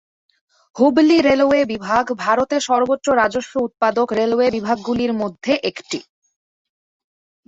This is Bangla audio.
হুবলি রেলওয়ে বিভাগ ভারতে সর্বোচ্চ রাজস্ব উৎপাদক রেলওয়ে বিভাগগুলির মধ্যে একটি।